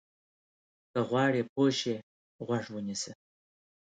که غواړې پوه شې، غوږ ونیسه.